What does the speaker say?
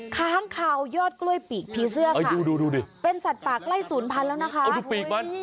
ค้างข่าวยอดกล้วยปีกผีเสื้อค่ะเป็นสัตว์ป่ากล้ายศูนย์พันธุ์แล้วนะคะ